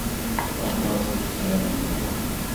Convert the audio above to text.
Aṭas i tesεiḍ n lweqt?